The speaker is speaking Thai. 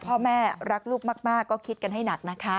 พ่อแม่รักลูกมากก็คิดกันให้หนักนะคะ